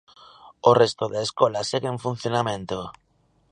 O resto da escola segue en funcionamento.